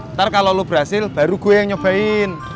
ntar kalau lo berhasil baru gue yang nyobain